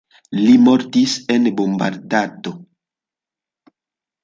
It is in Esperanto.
Li mortis en bombardado.